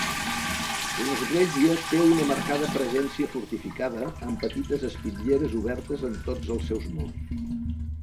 L'església té una marcada presència fortificada, amb petites espitlleres obertes en tots els seus murs.